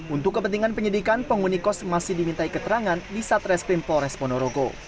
untuk kepentingan penyidikan penghuni kos masih dimintai keterangan di satreskrim polres ponorogo